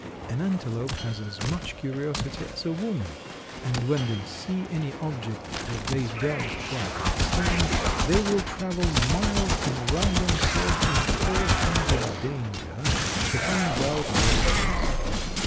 An antelope has as much curiosity as a woman, and when they see any object that they don't quite understand, they will travel miles and run themselves into all kinds of danger to find out what it is.